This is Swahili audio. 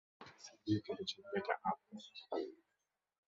Sijui kilichomleta hapo